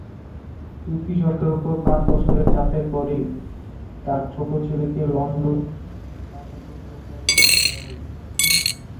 তুর্কি সরকারের উপর পাঁচ বছরের চাপের পরেই তার ছোট ছেলেকে লন্ডনে তার সাথে যোগ দেওয়ার অনুমতি দেওয়া হয়েছিল।